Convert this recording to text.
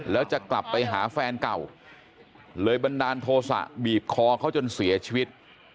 แล้วจะกลับไปหาแฟนเก่าเลยบันดาลโทษะบีบคอเขาจนเสียชีวิต